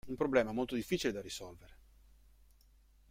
Un problema molto difficile da risolvere!